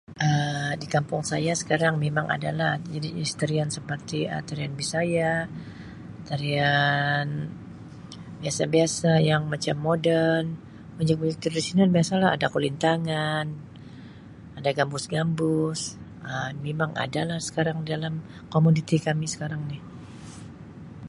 Um Di kampung saya sekarang memang adalah jenis-jenis tarian seperti Um tarian Bisaya tarian biasa-biasa yang macam moden muzik muzik tradisional biasa lah ada Kulintangan ada gambus-gambus Um mimang adalah sekarang dalam komuniti kami sekarang ni.